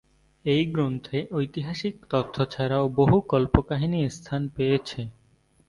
এই গ্রন্থে ঐতিহাসিক তথ্য ছাড়াও বহু কল্পকাহিনী স্থান পেয়েছে।